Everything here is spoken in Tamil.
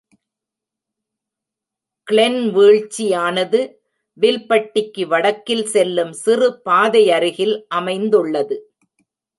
கிளென் வீழ்ச்சி யானது வில்பட்டிக்கு வடக்கில் செல்லும் சிறு பாதையருகில் அமைந்துள்ளது.